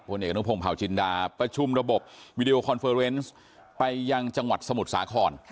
พลเอกนุ้งพงศ์ผ่าวจินดาประชุมระบบไปยังจังหวัดสมุทรสาขร